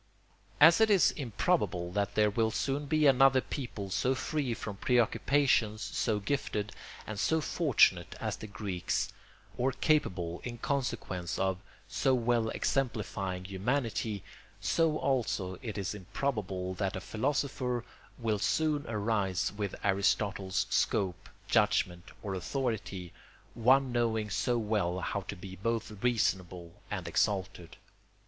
] As it is improbable that there will soon be another people so free from preoccupations, so gifted, and so fortunate as the Greeks, or capable in consequence of so well exemplifying humanity, so also it is improbable that a philosopher will soon arise with Aristotle's scope, judgment, or authority, one knowing so well how to be both reasonable and exalted.